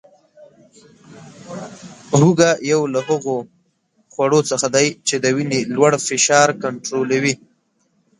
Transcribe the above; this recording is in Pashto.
هوګه یو له هغو خوړو څخه دی چې د وینې لوړ فشار کنټرولوي